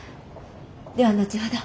では後ほど。